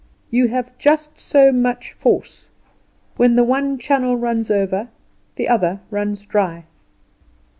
You have just so much force: when the one channel runs over the other runs dry.